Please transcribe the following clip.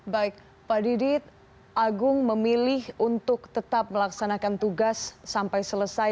baik pak didit agung memilih untuk tetap melaksanakan tugas sampai selesai